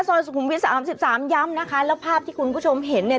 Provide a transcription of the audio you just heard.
ซอยสุขุมวิท๓๓ย้ำนะคะแล้วภาพที่คุณคุณผู้ชมเห็นเนี่ย